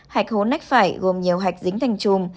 hạch hố nách phải gồm nhiều hạch dính thành chùm